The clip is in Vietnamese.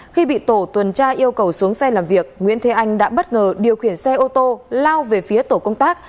khi bị tổ tuần tra yêu cầu xuống xe làm việc nguyễn thế anh đã bất ngờ điều khiển xe ô tô lao về phía tổ công tác